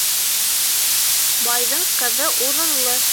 Байҙың ҡыҙы урынлы.